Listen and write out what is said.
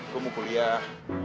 gue mau kuliah